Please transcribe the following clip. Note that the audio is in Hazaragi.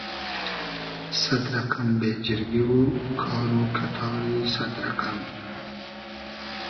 سئد رئقئم بېجیرگی و کار و کئتاری سئد رئقئم